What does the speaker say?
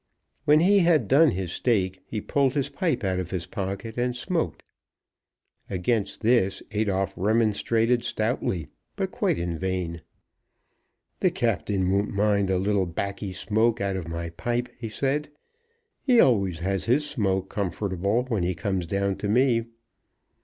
When he had done his steak he pulled his pipe out of his pocket, and smoked. Against this Adolphe remonstrated stoutly, but quite in vain. "The Captain won't mind a little baccy smoke out of my pipe," he said. "He always has his smoke comfortable when he comes down to me."